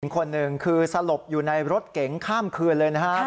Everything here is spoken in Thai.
คนหนึ่งคือสลบอยู่ในรถเก๋งข้ามคืนเลยนะครับ